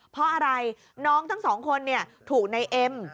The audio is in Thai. เพราะอะไรน้องทั้งสองคนถูกในเอ็ม